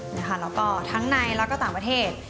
แล้วก็ทั้งในแล้วก็ต่างประเทศ